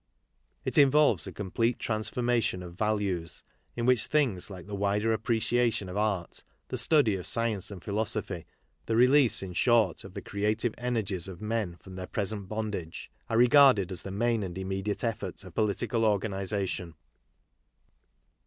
It involves a complete transforma tion of values, in which things like the wider apprecia tion of art, the study of science and philosophy, the release, in short, of the creative energies of men from 44 KARL MARX their present bondage, are regarded as the main and immediate effort of political organization.